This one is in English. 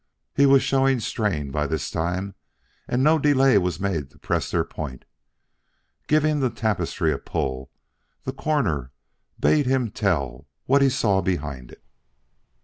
He was showing strain by this time, and no delay was made to press their point. Giving the tapestry a pull, the Coroner bade him tell what he saw behind it.